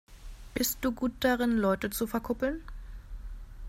Bist du gut darin, Leute zu verkuppeln?